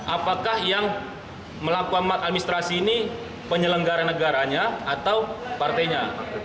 apakah yang melakukan maladministrasi ini penyelenggara negaranya atau partainya